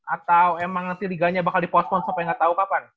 atau emang nanti liganya bakal dipostpon sampai gak tau kapan